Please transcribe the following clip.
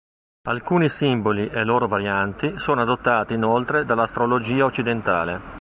Alcuni simboli e loro varianti sono adottati inoltre dall'astrologia occidentale.